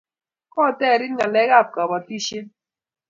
koterit ngalek ab kabatishiet